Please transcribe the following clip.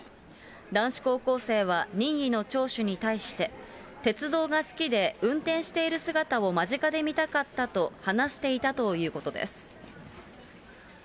男子高校生は任意の聴取に対して、鉄道が好きで運転している姿を間近で見たかったと話していたということです。